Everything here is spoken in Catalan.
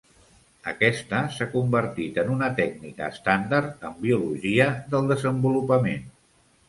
Aquesta s'ha convertit en una tècnica estàndard en biologia del desenvolupament.